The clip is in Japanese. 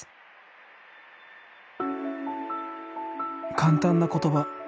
簡単な言葉。